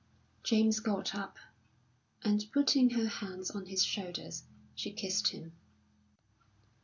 James got up, and putting her hands on his shoulders, she kissed him.